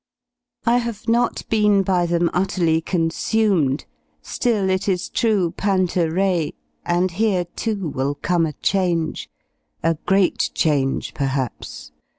I have not been by them utterly consumed, ^ill it is true Trdvra pel and here, too, will come a change, a great change perhaps.